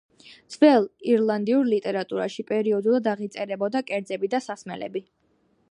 ძველ ირლანდიურ ლიტერატურაში პერიოდულად აღიწერებოდა კერძები და სასმელები.